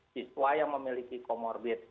siswa yang memiliki komorbid